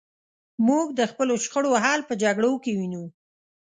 موږ د خپلو شخړو حل په جګړو کې وینو.